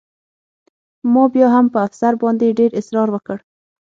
ما بیا هم په افسر باندې ډېر اسرار وکړ